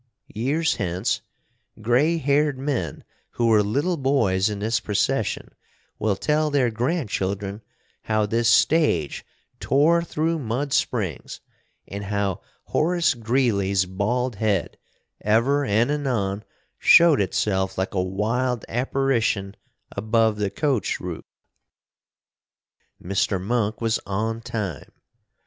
Years hence, gray haired men who were little boys in this procession will tell their grandchildren how this stage tore through Mud Springs, and how Horace Greeley's bald head ever and anon showed itself like a wild apparition above the coach roof. Mr. Monk was on time.